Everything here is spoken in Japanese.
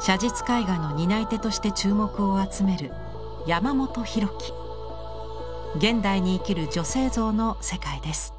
写実絵画の担い手として注目を集める現代に生きる女性像の世界です。